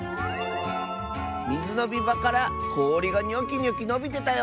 「みずのみばからこおりがニョキニョキのびてたよ！」。